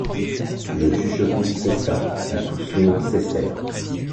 Le chuchotement cessa, les coups sourds cessèrent.